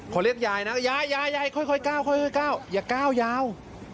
ขอเรียกยายนะยายค่อยก้าวอย่าก้าวยาว